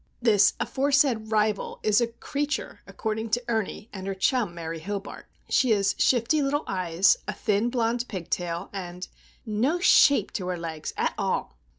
This aforesaid rival is a "creature," according to Ernie and her chum, Mary Hobart. She has shifty little eyes, a thin, blond pigtail, and "no shape to her legs, at all."